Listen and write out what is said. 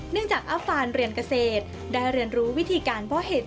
เนื่องจากอฟาลเรียนเกษตรได้เรียนรู้วิธีการพ่อเหตุ